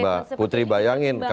mbak putri bayangin